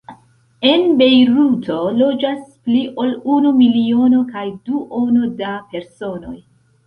En Bejruto loĝas pli ol unu miliono kaj duono da personoj.